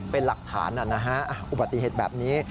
เป็นหลักฐานนะฮะอุบัติเหตุแบบนี้